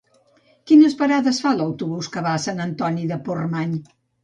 Quines parades fa l'autobús que va a Sant Antoni de Portmany?